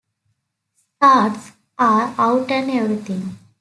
Stars are out and everything.